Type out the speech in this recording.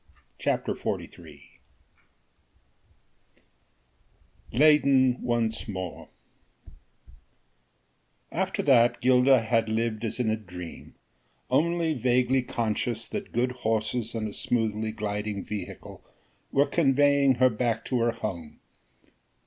CHAPTER XLIII LEYDEN ONCE MORE After that Gilda had lived as in a dream: only vaguely conscious that good horses and a smoothly gliding vehicle were conveying her back to her home.